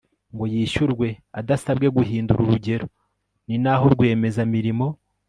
ngo yishyurwe adasabwe guhindura urugero ni aho rwiyemezamirimo